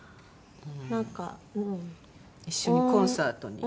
一緒にコンサートに。